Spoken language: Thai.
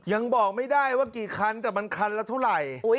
ยังบอกไม่ได้ว่ากี่คันแต่มันคันละเท่าไหร่